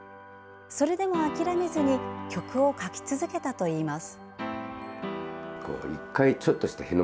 それでも諦めずに曲を書き続けたといいます。